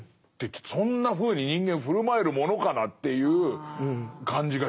そんなふうに人間振る舞えるものかなっていう感じがして。